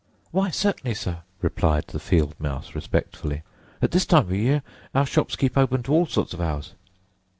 "Why, certainly, sir," replied the field mouse respectfully. "At this time of the year our shops keep open to all sorts of hours."